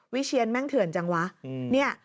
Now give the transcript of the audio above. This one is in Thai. วิเชียนแม่งเถื่อนจังวะ